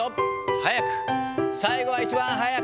早く、最後は一番早く。